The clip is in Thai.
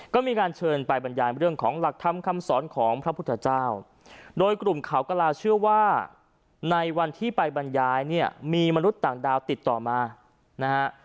ก็มีการเชิญไปบรรยายเรื่องของหลักธรรมคำสอนของพระพุทธเจ้าโดยกลุ่มเขากระลาเชื่อว่าในวันที่ไปบรรยายเนี่ยมีมนุษย์ต่างดาวติดต่อมานะฮะ